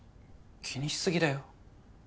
気にしすぎだよ。